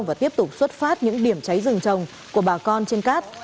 và tiếp tục xuất phát những điểm cháy rừng trồng của bà con trên cát